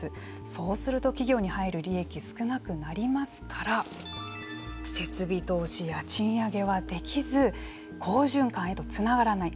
そうすると、企業に入る利益は少なくなりますから設備投資や賃上げはできず好循環へとつながらない。